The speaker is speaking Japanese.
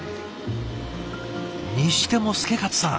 にしても祐勝さん